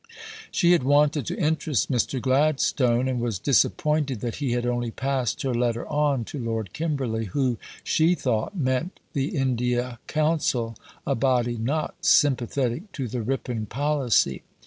She had wanted to interest Mr. Gladstone, and was disappointed that he had only passed her letter on to Lord Kimberley, who, she thought, meant the India Council, a body not sympathetic to the Ripon policy.